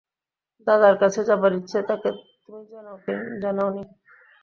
দাদার কাছে যাবার ইচ্ছে তাকে তুমি জানাও নি?